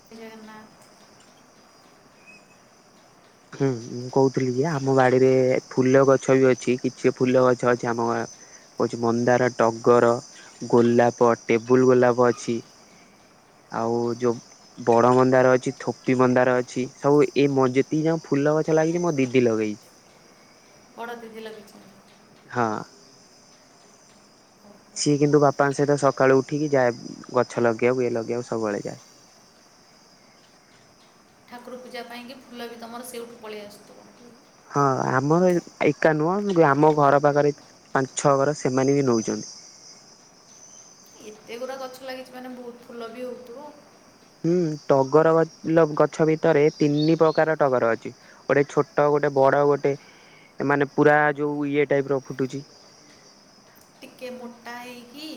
ଜଗନ୍ନାଥ ହୁଁ ମୁଁ କହୁଥିଲି କି ଆମ ବାଡିରେ ଫୁଲ ଗଛ ବି ଅଛି କିଛି ଫୁଲ ଗଛ ଅଛି ଆମ ଗାଁ ହୋଉଚି ମନ୍ଦାର ଟଡଗର ଗୋଲାପ ଟେବୁଲୁ ଗୋଲାପ ଅଛି। ଆଉ ଯୋଉ ବଡ ମନ୍ଦାର ଅଛି ଥୋପି ମନ୍ଦାର ଅଛି ସବୁ ଏ ମଜିଦ୍ ତି ଯୋଉ ଫୁଲ ଗଛ ଲାଗିଛି ମୋ ଦିଦି ଲଗେଇଛି। ବଡ଼ ଦିଦି ଲଗେଇ ଛନ୍ତି। ହଁ। ସିଏ କିନ୍ତୁ ବାପାଙ୍କ ସହିତ ସକାଳୁ ଉଠିକି ଯାଏ ଗଛ ଲଗେଇବାକୁ ଇଏ ଲଗେଇକୁ ସବୁବେଳେ ଯାଏ। ଠାକୁର ପୂଜା ପାଇଁକି ଫୁଲ ବି ତମର ସେଉଠୁ ପଳେଇ ଆସୁଥିବ। ହଁ ଆମର ଏକା ନୁହଁ ଆମ ଘର ପାଖରେ ବି ପାଞ୍ଚ ଛଅ ଘର ସେମାନେ ବି ନେଉଛନ୍ତି। ଏତେ ଗୁଡ଼ା ଗଛ ଲାଗିଛି ମାନେ ବୋହୁତ ଫୁଲ ବି ହେଉଥିବ। ହୁଁ ଟଗର ଗ ଫୁଲ ଗଛ ଭିତରେ ତିନି ପ୍ରକାର ଟଗର ଅଛି। ଗୋଟେ ଛୋଟ ଗୋଟେ ବଡ ଗୋଟେ ମାନେ ପୁରା ଯୋଉ ଇଏ ଟାଇପ ର ଫୁଟୁଛି। ଟିକେ ମୋଟା ହେଇକି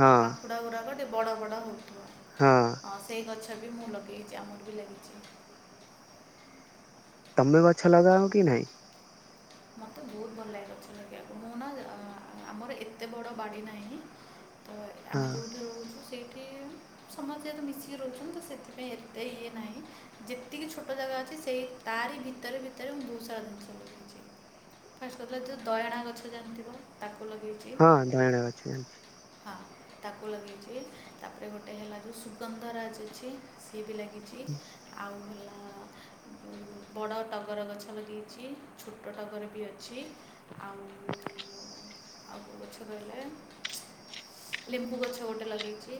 ହଁ ଡ଼ ଗୁଡ଼ାକ ଟିକେ ବଡ଼ ବଡ଼ ହୋଉଥିବ ହଁ ଆଉ ସେଇ ଗଛ ବି ମୁଁ ଲଗେଇଛି ଆମର ବି ଲାଗିଛି। ତମେ ଗଛ ଲଗାଅ କି ନାହିଁ? ମୋତେ ବୋହୁତ ଭଲ ଲାଗେ ଗଛ ଲଗେଇବାକୁ। ମୁଁ ନା ଅଁ ଆମର ଏତେ ବଡ଼ ବାଡ଼ି ନାହିଁ ତ ହଁ ଆମେ ଯୋଉଠି ରହୁଛୁ। ସେଇଠି ସମସ୍ତେ ତ ମିଶିକି ରହୁଛନ୍ତି ତ ସେଥିପାଇଁ ଏତେ ଇଏ ନାହିଁ। ଯେତିକି ଛୋଟ ଜାଗା ଅଛି ସେଇ ତାରି ଭିତରେ ଭିତରେ ମୁଁ ଦହୁ ସାରା ଜିନିଷ ଲଗାଏ। ଫାଷ୍ଟ କଥିଲା ଯୋଉ ଦୟଣା ଗଛ ଜାଣିିଥିବ ତାକୁ ଲଗେଇ ହଁ ଦୟାଣ ଗଛ ଜାଣିଛି। ହଁ ତାକୁ ଲଗେଇଛି ତାପରେ ଗୋଟେ ହେଲା ଯୋଉ ସୁଗନ୍ଧ ରାଜ ଅଛି ସିଏ ବି ଲାଗି ଛି ଆଉ ହେଲା ବଡ଼ ଟଗର ଗଛ ଲଗେଇଛି ଛୋଟ ଟଗର ବି ଅଛି। ଆଉ ଆଉ କି ଗଛ ରହିଲା ଲେମ୍ବୁ ଗଛ ଗୋଟେ ଲଗେଇଛି।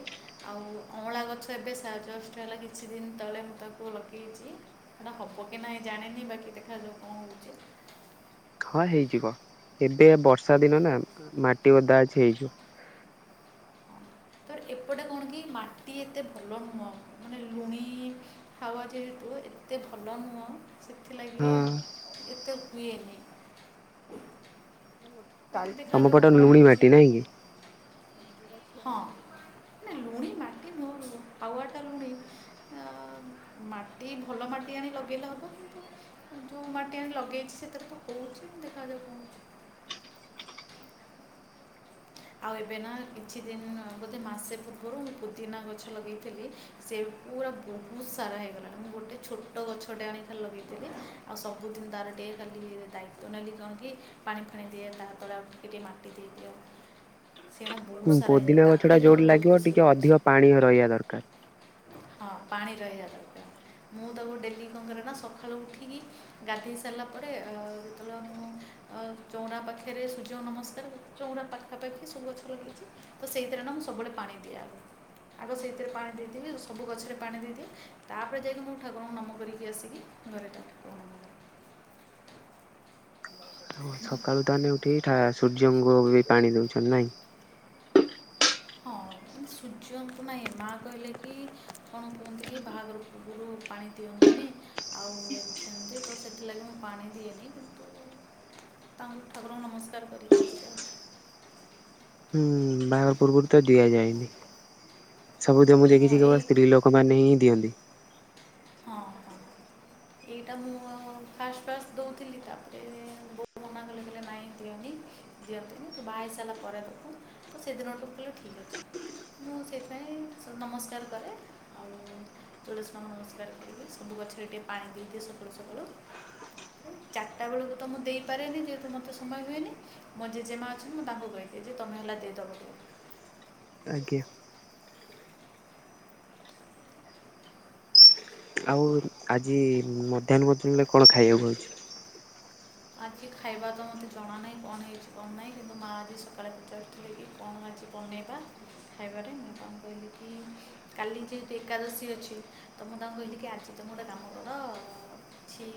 ଆଉ ଅଁଳା ଗଛ ଏବେ ସା ଜଷ୍ଟ ହେଲା କିଛି ଦିନ ତଳେ ମୁଁ ତାକୁ ଲଗେଇଚି। ହେଟା ହବ କି ନାହିଁ ଜାଣିନି ବାକି ଦେଖାଯାଉ କଁ ହୋଉଚି? ହଁ ହେଇଯିବ ଏବେ ବର୍ଷା ଦିନ ନା ମାଟି ଓଦା ଅଛି ହେଇଯିବ। ତ ଏପଟେ କଣ କି ମାଟି ଏତେ ଭଲ ନୁହଁ ମାନେ ଲୁଣି ହାୱା ଯେହେତୁ ଏତେ ଭଲ ନୁହଁ ସେଥିଲାଗିଲି ହଁ ଏତେ ହୁଏନି। ବାକି ତମ ଦେଖାଯାଉ ପଟ କ'ଣ ଲୁଣି ହେଉଛି ମାଟି ନାଇଁ କି? [inaudible] ନାଇଁ ଲୁଣି ମାଟି ନୁୁଅଁ ହାୱା ଟା ଲୁଣି ଆ ମାଟି ଭଲ ମାଟି ଆଣି ଲଗେଇଲେ ହବ। କିନ୍ତୁ ଯୋଉ ମାଟି ଆଣି ଲଗେଇଚି ସେଥିରେ ତ ହୋଉଛି ଦେଖାଯାଉ କଣ ହୋଉଛି। ଆଉ ଏବେ ନା କିଛି ଦିନ ବୋଧେ ମାସେ ପୂର୍ବରୁ ମୁଁ ପୁଦିନା ଗଛ ଲଗେଇଥିଲି ସେ ପୁରା ବୋହୁତ ସାରା ହେଇଗଲାଣି ମୁଁ ଗୋଟେ ଛୋଟ ଗଛଟେ ଆଣି ଖାଲି ଲଗେଇଥିଲି। ଆଉ ସବୁଦିନ ତାର ଟିକେ ଖାଲି ଦାୟିତ୍ୱ ନେଲି କଣ କି ପାଣି ଫାଣି ଦିଏ ତାହା ତଳେ ଆଉ ଟିକେ ଟିକେ ମାଟି ଦେଇ ଦିଏ ଆଉ। ହୁଁ ପୋଦିନା ତାକୁ ଗଛଟା ଦେଖିଲେ ମୋତେ ଯୋଉଠି ବହୁତ ଲାଗିବ ଖୁସି ଟିକେ ଲାଗୁଛି ଅଧିକ ପାଣି ରହିବା ଦରକାର। ହଁ ପାଣି ରହିବା ଦରକାର। ମୁଁ ତାକୁ ଡେଲି କଁ କରେ ନା ସଖାଳୁ ଉଠିକି ଗାଧେଇ ସାରିଲା ପରେ ଅ-ଅ ଅ ଚୋଉଁରା ପାଖରେ ସୂର୍ଯ୍ୟ ନମସ୍କାର କରେ। ଚୋଉଁରା ପାଖାପାଖି ସବୁ ଗଛ ଲଗେଇଛି ତ ସେଇଥିରେ ନା ମୁଁ ସେଇଥିରେ ନା ସବୁବେଳେ ପାଣି ଦିଏ ଆଗ। ଆଗ ସେଇଥିରେ ପାଣି ଦେଇ ଦିଏ ଡେଲି ସବୁ ଗଛରେ ପାଣି ଦେଇଦିଏ। ତା ପରେ ଯାଇକି ମୁଁ ଠାକୁରଙ୍କୁ ନମ କରିକି ଆସିକି ଘରେ କାମ କରେ ସକାଳୁ ତାହେନେ ଉଠିକି ଠା ସୂର୍ଯ୍ୟଙ୍କୁ ବି ପାଣି ଦୋଉଛନ୍ତି ନାଇଁ? ହଁ। ସୁର୍ଯ୍ୟଙ୍କୁ ନାଇ ମାଆ କହିଲେ କି କଣ କୁହନ୍ତି କି ବାହାଘର ପୂର୍ବରୁ ପାଣି ଦିଅନ୍ତିନି। ଆଉ ସେମିତି ତ ସେଥିଲାଗି ମୁଁ ପାଣି ଦିଏନି। ତାଙ୍କ ଠାକୁରଙ୍କୁ ନମସ୍କାର କରିକି ଆସିବ। ହୁଁ ବାହାଘର ପୂର୍ବୁରୁ ତ ଦିଆ ଯାଏନି। [inaudible] ସବୁଦିନ ମୁଁ ହଁ ଦେଖିଚି ଏଇ କେବଳ ସ୍ତ୍ରୀ ଲୋକ କମାନେ ହିଁ ଦିଅନ୍ତି। ହଁ। ଏଇଟା ମୁଁ-ଉ ଫାଷ୍ଟ ଫାଷ୍ଟ ଦୋଉଥିଲି ତାପରେ-ଏ ବୋଉ ମନା କଲେ। କଲେ ନାଇଁ ଦିଅନି [inaudible] ଦିଅନ୍ତିନି ତୁ ବାହା ହେଇସାରିଲା ପରେ ଦବୁ, ମୁ ସେଦିନଠୁ କିଲି ଠିକ୍ ଅଛି। ମୁଁ ସେଇଥିପାଇଁ ସୂ ନମସ୍କାର କରେ। ଆଉ ତୁ ତୁ ନମସ୍ [inaudible] ଗଛରେ ଟିକେ ପାଣି ଦେଇଦିଏ ସକାଳୁ ସକାଳୁ। ଚାର୍ଟା ବେଳୁକୁ ତ ମୁଁ ଦେଇପାରେନି ଯେହେତୁ ମତେ ସମୟ ହୁଏନି। ମୋ ଜେଜେମା ଅଛନ୍ତି ମୁଁ ତାଙ୍କୁ କହିଦିଏ ଯେ ତମେ ହେଲା ଦେଇଦବ ଟିକେ। ଆଜ୍ଞା!। ଆଉ ଆଜି ଇ - ଇ ମଧ୍ୟାହ୍ନ ଭୋଜନରେ କଣ ଖାଇବାକୁ ହଉଛି? ଆଜି ଖାଇବା ତ ମୋତେ ଜଣା ନାହିଁ କଣ ହେଇଚି କଣ ନାହିଁ କିନ୍ତୁ ମା ଆଜି ସକାଳେ ପଚାରୁଥି ଲେକି କଣ ଆଜି ବନେଇବା ଖାଇବାରେ ମୁଁ ତାଙ୍କୁ କହିଲି କି କାଲି ଯେହେତୁ ଏକାଦଶୀ ଅଛି ତ ମୁଁ ତାଙ୍କୁ କହିଲି କି ଆଜି ତମେ ଗୋଟେ କାମ କର-ଅ କିଛି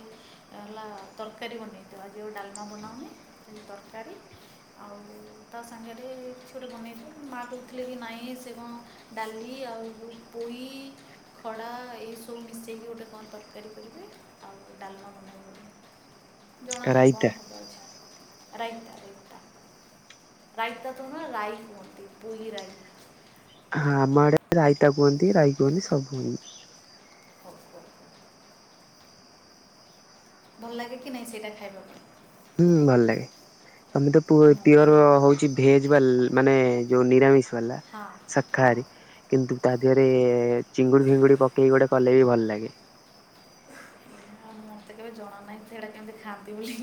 ହେଲା ତର୍କାରୀ ବନେଇଦିଅ ଆଜି ଆଉ ଡାଲ୍ମା ବନାଅନି ତର୍କାରୀ ଆଉ-ଉ ତା ସାଙ୍ଗେରେ-ଏ କିଛି ଗୋଟେ ବନେଇ ଦିଅ ମାଆ କୋଉଥିଲେ କି ନାଇଁ ସେ କଁ ଡାଲି ଆଉ ବୁ ପୁଇ-ଇ ଖଡା-ଆ ଏଇସବୁ ମିଶେଇକି ଗୋଟେ କଁ ତର୍କାରୀ କରିବେ ଆଉ ଡାଲ୍ମା ବନାଇବେ। ଜଣା ନାହିଁ ରାଇତା। କଣ ହବ ଆଜି [inaudible] ରାଇତା ରାଇତା। ରାଇତା ତ ନୁହଁ ରାଇ କୁହନ୍ତି ପୁଇ ରାଇ। ହଁ ଆମ ଆଡେ ରାଇତା କୁହନ୍ତି ରାଇ କୁହନ୍ତି ସବୁ କୁହନ୍ତି। [inaudible] ଭଲ୍ ଲାଗେ କି ନାଇଁ ସେଇଟା ଖାଇବାକୁ? ହୁଁ। ଭଲ ଲାଗେ [inaudible] ତମେ ତ ପୁ ର ପିଓର ମୋତେ ହଉଛି। ଭେଜ ବାଲ ମାନେ ଯୋଉ ନିରାମିଷ ବାଲା ହଁ [inaudible] ହଁ ଶାକାହାରୀ। କିନ୍ତୁ ତା ଦେହରେ ଚିଙ୍ଗୁଡ଼ି ଫିଙ୍ଗୁଡ଼ି ପକେଇକି ଗୋଟେ କଲେ ବି ଭଲ ଲାଗେ। ଆଉ ମତେ କେବେ ଜଣା ନାହିଁ ସେଇଟା କେମିତି ଖାଆନ୍ତି ବୋଲିି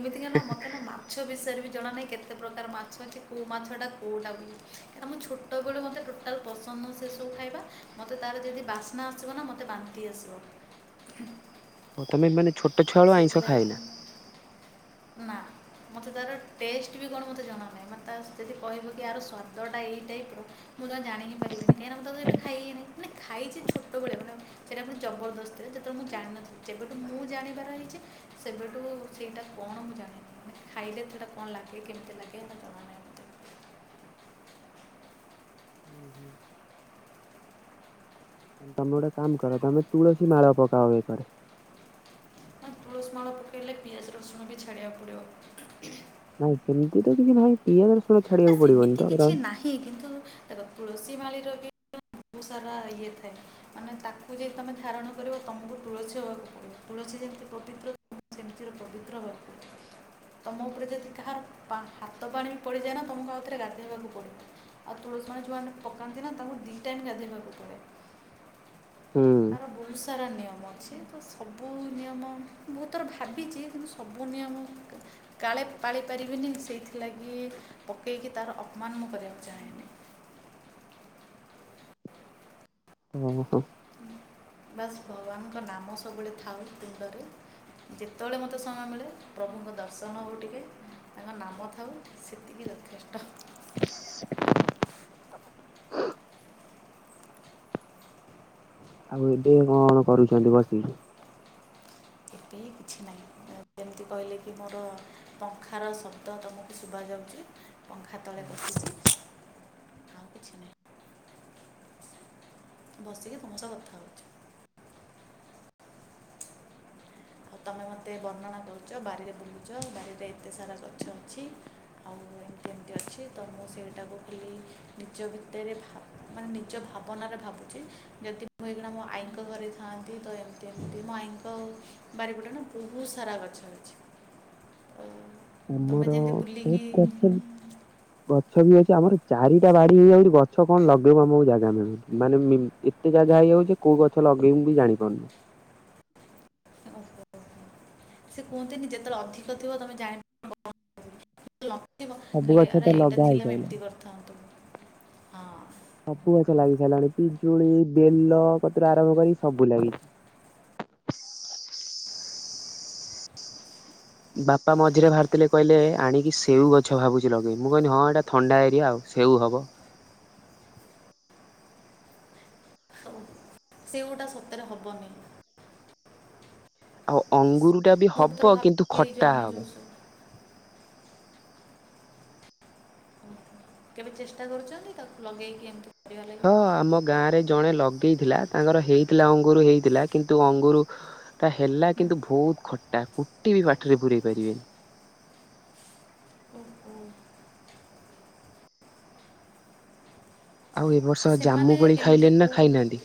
ଏମିତିକା ନା ମତେ ନା ମା ମାଛ ବିଷୟରେ ବି ଜଣା ନାହିଁ କେତେ ପ୍ରକାର ମାଛ ଅଛି କୋଉ ମାଛଟା କୋଉଟା ଵୋଲି। ଆମୋ ଛଟ ଛୋଟ ବେଳୁ ମୋତେ ଟୋଟାଲ୍ ପସନ୍ଦ ନ ସେସବୁ ଖାଇବା। ମୋତେ ତାର ଯଦି ବାସ୍ନା ଆସିବ ନା ମୋତେ ବାନ୍ତି ଆସିବ। ତମେ ମାନେ ଛୋଟ ଛୁଆବେଳୁ ଆଇଁଷ ସେଥିଲାଗି [inaudible] ଖାଏନା। ନା ମୋତେ ତାର ଟେଷ୍ଟ ବି କଣ ମୋତେ ଜଣା ନାହିଁ ମତେ ଯଦି କହିବ କି ଆର ସ୍ଵାଦଟା ଏଇ ଟାଇପର ମୁଁ ତ ଜାଣିି ପାରିବିନି କାଇଁ ନା ମୁଁ ତାକୁ ଏବେ ଖାଇ ନାହିଁ ମାନେ ଖାଇଛି ଛୋଟୋବେଳେ ମାନେ ସେଇଟା ଗୋଟେ ଜବରଦସ୍ତିରେ ଯେତେବେଳେ ମୁଁ ଜାଣିନଥିଲି ଯେବେଠୁ ମୁଁ ଜାଣିବାର ହେଇଛି ସେବେଠୁ ସେଇଟା କଣ ମୁଁ ଜାଣିନି ମାନେ ଖାଇଲେ ସେଇଟା କଣ ଲାଗେ କେମିତି ଲାଗେ ସେଇଟା ଜଣା ନାହିଁ। ମୋତେ ହୁଁ ହୁଁ। ତମେ ଗୋଟେ କାମ କର ତମେ ତୁଳସୀ ମାଳ ପକାଅ ବେକରେ। ନାଁ ତୁଳସୀ ମାଳ ପକାଇଲେ ପିଆଜ ରସୁଣ ବି ଛାଡ଼ିବାକୁ ପଡ଼ିବ। ନାଇଁ ସେମିତି ତ କିଛି ନାହିଁ ପିଆଜ ରସୁଣ ଛାଡିବାକୁ ପଡିବନି ତ। ହିଁ କିନ୍ତୁ ଦେଖ ତୁଳସୀ ମାଳିର ବି ବହୁତ୍ ସାରା ଇଏଥାଏ। ମାନେ ତାକୁ ଯଦି ତମେ ଧାରଣ କରିବ ତମକୁ ତୁଳସୀ ହବାକୁ ତୁଳସୀ ଯେମିତି ପବିତ୍ର ସେମିତିର ପବିତ୍ର ହବାକୁ ପଡିବ। ତୁମ ଉପରେ ଯଦି କାହାର ହାତ ପାଣି ବି ପଡ଼ିଯାଏ ନାଁ ତମକୁ ଆଉଥରେ ଗାଧୋଇବାକୁ ପଡ଼ିବ। ଆଉ ତୁଳସୀ ମାଳ ଯୋଉମାନେ ପକାନ୍ତି ନାଁ ତାକୁ ଦି ଟାଇମ୍ ଗାଧେଇବାକୁ ପଡେ ହୁଁ। ତାର ବହୁସ୍ ସାରା ନିୟମ ଅଛି ତ ସବୁ ନିୟମ ବହୁତ୍ ଥର ଭାବିଚି କିନ୍ତୁ ସବୁ ନିୟମ କାଳେ ପାଳି ପାରିବିନି ସେଇଥିଲାଗି ପକେଇକି ତାର ଅପମାନ ମୁଁ କରିବାକୁ ଚାହେଁନି। ଉହୁଁ। ବାସ୍ ଭଗବାନଙ୍କ ନାମ ସବୁବେଳେ ଥାଉ ତୁଣ୍ଡରେ। ଯେତେବେଳେ ମୋତେ ସମୟ ମିଳେ ପ୍ରଭୁଙ୍କ ଦର୍ଶନ ହଉ ଟିକେ। ତାଙ୍କ ନାମ ଥାଉ ସେତିକି ଯଥେଷ୍ଟ। ତୋ ଏବେ କଣ କରୁଚନ୍ତି ବସିକି? ଏବେ କିଛି ନାହିଁ ଯେମିତି କହିଲେ କି ମୋର ପଙ୍ଖାର ଶବ୍ଦ ତମକୁ ସୁବା ଯାଉଚି ପଙ୍ଖା ତଳେ ବସିଚି। ବସିକି ତମସହ କଥା ହଉଚି।। ଆଉ ତମେ ମୋତେ ବର୍ଣ୍ଣନା କରୁଚ ବାରିରେ ବୁଲୁଚ ବାରିରେ ଏତେ ସାରା ଗଛ ଅଛି। ଆଉ କେମତି ଅଛି ତ ମୁଁ ସେଇଟାକୁ ଖାଲି ନିଜ ଭିତରେ ଭାବ୍ ମାନେ ନିଜ ଭାବନାରେ ଭାବୁଚି ଯଦି ମୁଁ ଏଇନା ମୋର ଆଈଙ୍କ ଘରେ ଥାନ୍ତି ତ ଏମ ଏମତି ମୋ ଆଈଙ୍କ ବାରିପଟେ ନାଁ ବହୁତ୍ ସାରା ଗଛ ଅଛି। ତମେ ଯେମିତି ବୁଲି କଚୁଲ୍ ଗଛ ବି ଅଛି ଆମର ଚାରିଟା ବାଡି ହେଇଯାଉ ଗଛ କଣ ଲଗେଇବ ଆମକୁ ଜାଗା ମିଳୁନି। ମାନେ ମି ଏତେ ଜାଗା ହେଇଯାଉଚି କୋଉ ଗଛ ଲଗେଇବୁ ମୁଁ ବି ଜାଣିପାରୁନି। ସେ କୁହନ୍ତିନି ଯେତେବେଳେ ଅଧିକ ଥିବ ତମେ ଜାଣିବ। [unintelligible] ସବୁ ଖାଲି ଗଛ ତ ଆରେ ଏଇଟା ଲଗା ଥିଲା ହେଇସାରିଲାଣି। ଏମତି କରିଥାନ୍ତୁ ହଁ। ସବୁ ଗଛ ଲାଗି ସାରିଲାଣି ପିଜୁଳି ବେଲ କତୁରୁ ଆରମ୍ଭ କରିକି ସବୁ ଲାଗି ବାପା ମଝିରେ ବାହାରିଥିଲେ କହିଲେ ଆଣିକି ସେଉ ଗଛ ଭାବୁଚି ଲଗେଇ ମୁଁ କହିଲି ହଁ ଏଇଟା ଥଣ୍ଡା ଏରିଆ ଆଉ ସେଉ ହବ। ସେଉଟା ସତରେ ହବନି। ଆଉ ଅଙ୍ଗୁରୁ ଟା ବି ମୁଁ ତୋର ହବ କିନ୍ତୁ ଭାବିକି ଏଇ ଯେଉଁ ଖଟା ଆମେ ଯେଉଁ ହବ। ସବୁ କେବେ ଚେଷ୍ଟା କରୁଚନ୍ତି ତାକୁ ଲଗେଇକି ଏମିତି? କରିବା ଲାଗି ହଁ ଆମ ଗାଁରେ ଜଣେ ଲଗ ଲଗେଇଥିଲା ତାଙ୍କର ହେଇଥିଲା ଅଙ୍ଗୁରୁ ହେଇଥିଲା କିନ୍ତୁ ଅଙ୍ଗୁୁରୁ ତା ହେଲା କିନ୍ତୁ ବହୁତ୍ ଖ ତାକୁ କୁଟି ପାଟିରେ ବୁରେଇ ପାରିବେନି। ହୁଁ ଆଉ ଏ ବର୍ଷ ସେମାନେ ଜାମୁ କୋଳି କେମିତି ଖାଇଲେନି ନାଁ କେଉଁ ଖାଇନାହାନ୍ତି?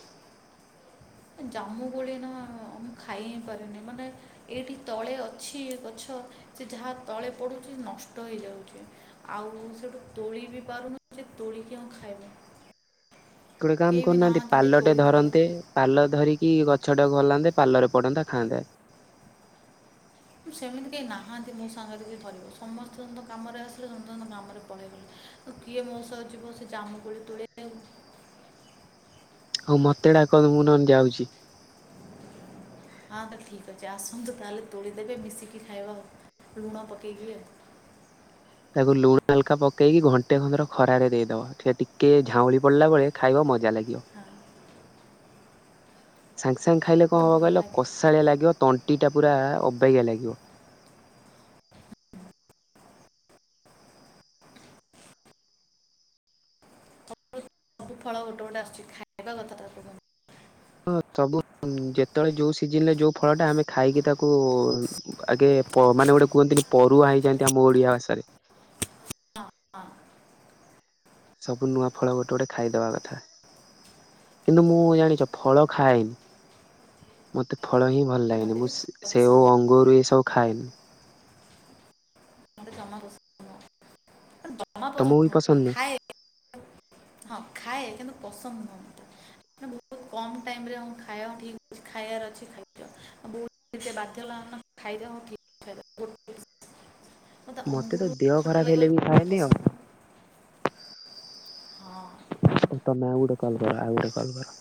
ଜାମୁ କୋଳି ନାଁ ମୁଁ ଖାଇ ହିଁ ପାରେନି ମାନେ ଏଇଠି ତଳେ ଅଛି ଗଛ ସେ ଯାହା ତଳେ ପଡୁଚି ନଷ୍ଟ ହେଇଯାଉଚି। ଆଉ ସେଠୁ ତୋଳି ବି ପାରୁନି ସେ ତୋଳିିକି ଆ ଖାଇବା। ଗୋଟେ କାମ କରୁନାହାନ୍ତି ନାହାନ୍ତି ଯେ ପାଲଟେ ତୋଳି ଦେବ ଧରନ୍ତେ। ପାଲ ଧରିକି ଗଛ ଟାକୁ ହଲାନ୍ତେ ପାଲରେ ପଡନ୍ତା ଖାଆନ୍ତେ। ସେମିତି କେହି ନାହାନ୍ତି ମୋ ସାଙ୍ଗରେ କିଏ ଧରିବ ସମସ୍ତଙ୍କ କାମରେ ଆସିଲେ ସମସ୍ତ କାମରେ ପଳେଇଗଲେ। କିଏ ମୋ ସହ ଯିବ ସେ ଜାମୁ କୋଳି ତୋଳିବାକୁ। ହଉ ମୋତେ ଡ଼ାକନ୍ତୁ ମୁଁ ନହଲେ ଯାଉଛି। ହଁ ତ ଠିକ୍ ଅଛି ଆସନ୍ତୁ ତାହେଲେ ତୋଳିଦେବେ ମିଶିକି ଖାଇବା ଆଉ ଲୁଣ ପକେଇକି ଆଉ। ତାକୁ ଲୁଣ ହାଲକା ପକେଇକି ଘଣ୍ଟେ [unintelligible] ଖରାରେନ କମ ଦେଇଦବ ସେ ଟିକେଝାଉଁଳି ପଡିଲା ବେଳେ ଖାଇବା ମଜା ଲାଗିବ। ହ। ସାଙ୍ଗେ ସାଙ୍ଗେ ଖାଇଲେ କଣ ମୋତେ ହବ ଭଲ କହିଲ ଲାଗେ କଷାଳିଆ ଲାଗିବ ତଣ୍ଟି ଟା ପୁରା ଅବାଗିଆ ଲାଗିବ। ସବୁ ଫଳ ଗୋଟେ ଗୋଟେ ଆସୁଛି ଖାଇବା କଥା ତାକୁ ହଁ ସବୁ ଯେତେବେଳେ ଯୋଉ ସିଜନରେ ଯୋଉ ଫଳଟା ଆମେ ଖାଇକି ତାକୁ। ଆଗେ ମାନେ ଗୋଟେ କୁହନ୍ତିନି ପରୁଆ ହେଇଯଆନ୍ତି ଆମ ଓଡିଆ ଭାଷାରେ। ହଁ ହଁ। ସବୁ ନୂଆ ଫଳ ଗୋଟେ ଗୋଟେ ଖାଇଦବା କଥା। କିନ୍ତୁ ମୁଁ ଜାଣିଛ ଫଳ ଖାଏନି। ମତେ ଫଳ ହିଁ ଭଲ ଲାଗେନି ମୋତେ ମୁଁ ବି ଫଳ ସେଓ ପସନ୍ଦ ଅଙ୍ଗୁରୁ ଏ ସବୁ ଖାଏନି। [unintelligible] [inaudible] ତମକୁ ବି ନୁହଁ ପସନ୍ଦ ନୁହୁଁ। ଖାଏ ହଁ ଖାଏ କିନ୍ତୁ ପସନ୍ଦ ନୁହୁଁ। [unintelligible] [inaudible] ମୋତେ ତ ଅଙ୍ଗୁର ଦେହ ଖଟା ଖରାପ ଲାଗିବ ହେଲେ ବି ମୁଁ ବୋଲି ଖାଏନି ଆଉ‌। ପସନ୍ଦ ନୁହଁ ହଁ। ତମେ ଆଉଗୋଟେ କଲ କର ଆଉଗୋଟେ କଲ କର।